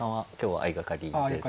あ相掛かりでと。